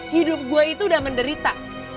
hidup gue itu udah menderita